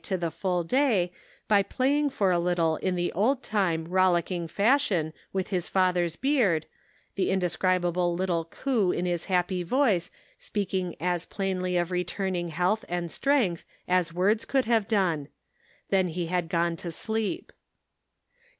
to the full day by playing for a little in the old time, rollick ing fashion with his father's beard, the inde scribable little coo in his happy voice speaking as plainly of returning health and strength as words could have done ; then he had gone to sleep.